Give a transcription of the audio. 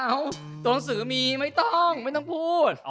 ตัวหนังสือมีไม่ต้องไม่ต้องพูด